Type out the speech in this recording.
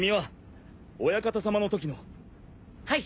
はい。